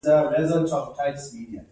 سړی شکر ویلی.